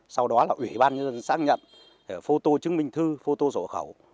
sau đó là ủy ban nhân dân xác nhận phô tô chứng minh thư phô tô sổ hộ khẩu